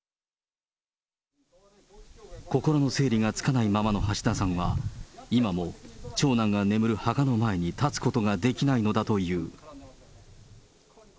心の整理がつかないままの橋田さんは、今も長男が眠る墓の前に立つことができないのだという。